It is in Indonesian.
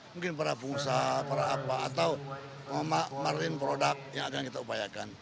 mungkin para pengusaha para apa atau marine product yang akan kita upayakan